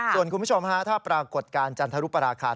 ส่วนคุณผู้ชมฮะถ้าปรากฏการณ์จันทรุปราคา